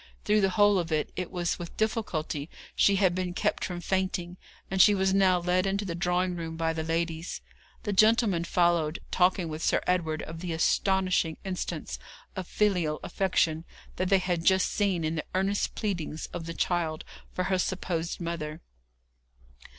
Through the whole of it, it was with difficulty she had been kept from fainting, and she was now led into the drawing room by the ladies. The gentlemen followed, talking with Sir Edward of the astonishing instance of filial affection they had just seen in the earnest pleadings of the child for her supposed mother.